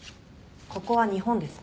ここは日本です。